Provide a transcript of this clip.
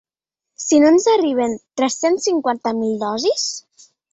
Si no ens arriben tres-cents cinquanta mil dosis!